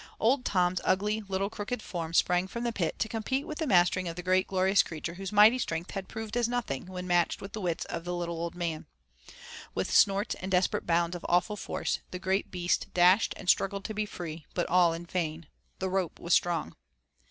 Old Tom's ugly, little crooked form sprang from the pit to complete the mastering of the great glorious creature whose mighty strength had proved as nothing when matched with the wits of a little old man. With snorts and desperate bounds of awful force the great beast dashed and struggled to be free; but all in vain. The rope was strong.